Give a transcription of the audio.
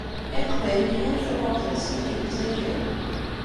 Iqbayliyen tamurt-nsen deg Lezzayer.